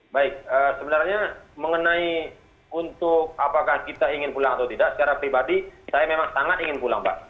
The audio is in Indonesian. baik sebenarnya mengenai untuk apakah kita ingin pulang atau tidak secara pribadi saya memang sangat ingin pulang pak